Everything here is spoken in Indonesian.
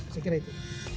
saya kira itu